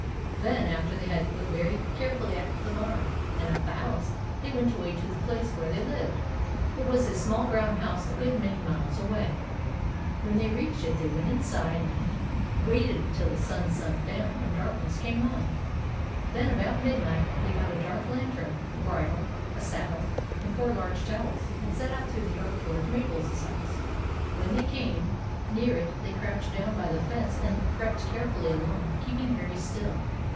Then, after they had looked very carefully at the barn and at the house, they went away to the place where they lived. It was a small brown house a good many miles away. When they reached it, they went inside and waited till the sun sank down and darkness came on. Then about midnight they got a dark lantern, a bridle, a saddle, and four large towels, and set out through the dark toward Mabel's house. When they came 48 THE ADVENTURES OF MABEL near it, they crouched down by the fence and crept carefully along, keeping very still.